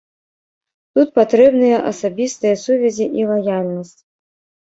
Тут патрэбныя асабістыя сувязі і лаяльнасць.